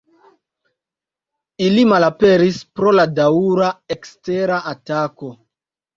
Ili malaperis pro la daŭra ekstera atako.